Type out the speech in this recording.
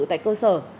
tại cơ sở